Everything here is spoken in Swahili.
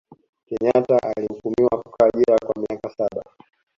kenyata alihukumiwa kukaa jela kwa miaka saba